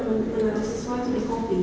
menaruh sesuatu di kopi